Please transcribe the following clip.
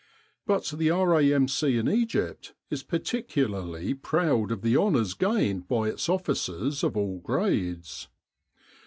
But the R.A.M.C. in Egypt is particularly proud of the honours gained by its officers of all grades.